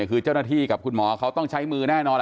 คือเจ้าหน้าที่กับคุณหมอเขาต้องใช้มือแน่นอน